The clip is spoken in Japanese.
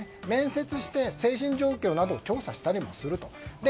面接して精神状況などを調査したりすると。